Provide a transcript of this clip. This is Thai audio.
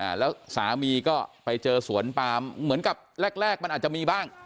แล้วสามีก็ไปเจอสวนปามเหมือนกับแรกแรกมันอาจจะมีบ้าง